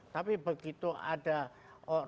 tapi begitu ada agama lain